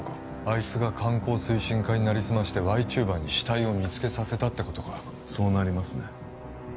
あいつが観光推進課に成りすましてＹチューバーに死体を見つけさせたってことかそうなりますね